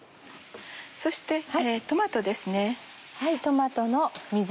そしてトマトですね。